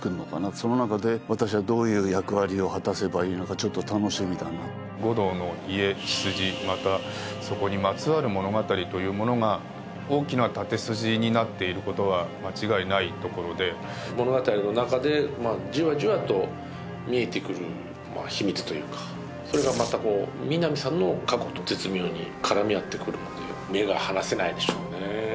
シナリオが黒岩さんだっていうのでその中で護道の家血筋またそこにまつわる物語というものが大きな縦筋になっていることは間違いないところで物語の中でじわじわと見えてくる秘密というかそれがまた皆実さんの過去と絶妙に絡み合ってくるので目が離せないでしょうね